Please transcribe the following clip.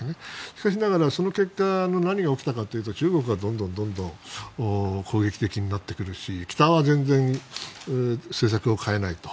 しかしながらその結果何が起きたかというと中国はどんどん攻撃的になってくるし北は全然政策を変えないと。